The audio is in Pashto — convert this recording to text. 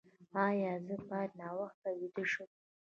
ایا زه باید ناوخته ویده شم؟